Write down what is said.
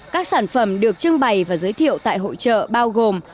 các sản phẩm được trưng bày và giới thiệu tại hội trợ bao gồm